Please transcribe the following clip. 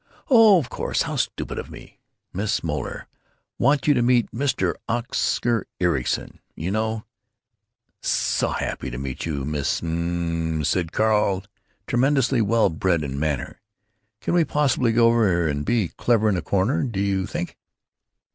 "Oh, of course. How stupid of me! Miss Moeller, want you to meet Mr. Oscar Ericson—you know——" "S' happy meet you, Miss Mmmmmmm," said Carl, tremendously well bred in manner. "Can we possibly go over and be clever in a corner, do you think?"